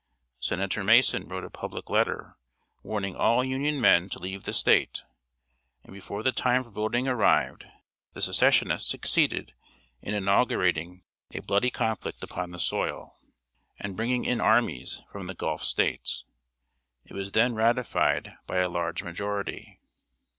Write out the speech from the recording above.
Senator Mason wrote a public letter, warning all Union men to leave the State; and before the time for voting arrived, the Secessionists succeeded in inaugurating a bloody conflict upon the soil, and bringing in armies from the Gulf States. It was then ratified by a large majority.